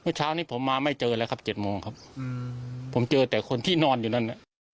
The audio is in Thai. เช้านี้ผมมาไม่เจอแล้วครับ๗โมงครับผมเจอแต่คนที่นอนอยู่นั่นน่ะ